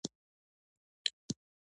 زما کور ښايسته دی